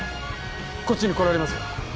こっちに来られますか？